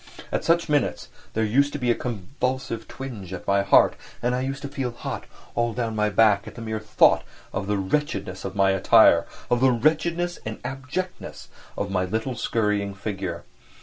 At such minutes there used to be a convulsive twinge at my heart, and I used to feel hot all down my back at the mere thought of the wretchedness of my attire, of the wretchedness and abjectness of my little scurrying figure.